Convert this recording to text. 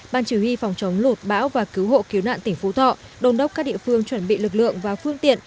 ban chỉ huy phòng chống lụt bão và cứu hộ cứu nạn tỉnh phú thọ đồn đốc các địa phương chuẩn bị lực lượng và phương tiện